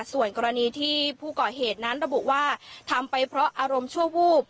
ส่วนกรณีที่ผู้ก่อเหตุนั้นระบุว่าทำไปเพราะอารมณ์ชั่ววูบ